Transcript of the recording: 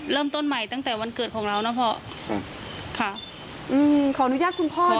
เริ่มต้นใหม่ตั้งแต่วันเกิดของเรานะพ่อค่ะอืมขออนุญาตคุณพ่อ